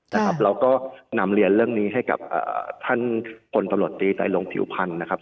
เราก็นำเรียนเรื่องนี้ให้กับท่านพลตำรวจตีไตรลงผิวพันธ์นะครับ